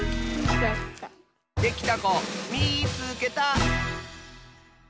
できたこみいつけた！